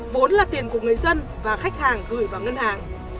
vốn là tiền của người dân và khách hàng gửi vào ngân hàng